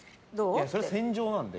いや、それは戦場なんで。